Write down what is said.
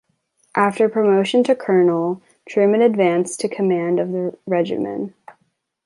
After promotion to colonel, Truman advanced to command of the regiment.